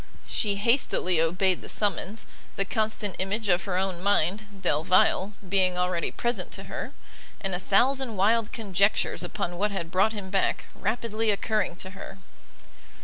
She hastily obeyed the summons; the constant image of her own mind, Delvile, being already present to her, and a thousand wild conjectures upon what had brought him back, rapidly occurring to her.